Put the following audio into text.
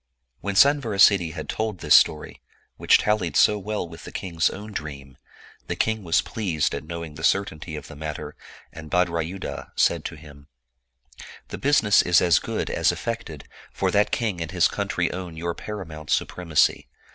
When Sanvarasiddhi had told this story, which tallied so well with the king's own dream, the king was pleased at l6o A Man hating Maiden knowing the certainty of the matter, and Bhadrajmdha said to him, "The business is as good as effected, for that king and his country own your paramount supremacy.